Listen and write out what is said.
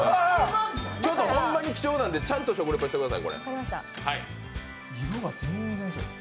ホンマに貴重なので、ちゃんと食レポしてください。